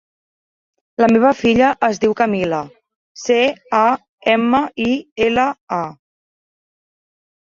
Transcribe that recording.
La meva filla es diu Camila: ce, a, ema, i, ela, a.